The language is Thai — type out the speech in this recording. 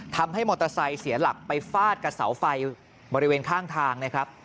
ทำให้มอเตอร์ไซค์เสียหลักไปฟาดกับเสาไฟบริเวณข้างทางนะครับ